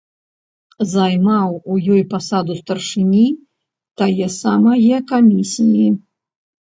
Займаў у ёй пасаду старшыні тае самае камісіі.